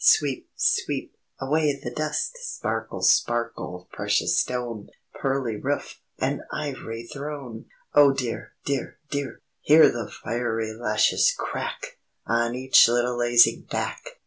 Sweep! Sweep! Away the dust! Sparkle! Sparkle! Precious stone, Pearly roof, And ivory throne!_ "_Oh, dear! dear! dear! Hear the fiery lashes crack! On each little lazy back!